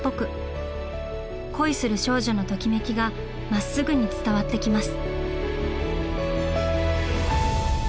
恋する少女のときめきがまっすぐに伝わってきます。